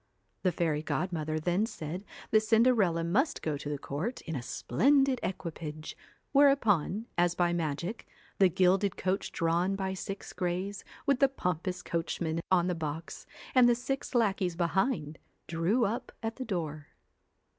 The fairy godmother then said that Cinderella must go to the court in a splendid equipage, whereupon, as by magic, the gilded coach drawn by six greys, with the pompous coachman on the box, and the six lackeys behind, drew up at the door.